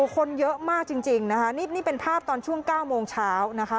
คนเยอะมากจริงนะคะนี่เป็นภาพตอนช่วง๙โมงเช้านะคะ